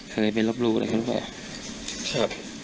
เคยไปรบรูอะไรครับ